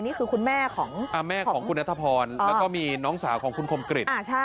นี่คือคุณแม่ของคุณณฑพรแล้วก็มีน้องสาวของคุณคมกฤต